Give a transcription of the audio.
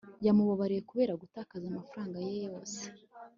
yamubabariye kubera gutakaza amafaranga ye yose